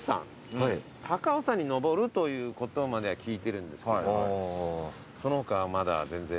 高尾山に登るということまでは聞いてるんですけどもその他はまだ全然。